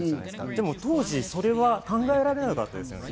でも当時それは考えられなかったですよね